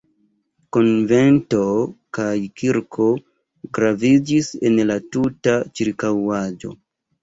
Konvento kaj kirko graviĝis en la tuta ĉirkaŭaĵo.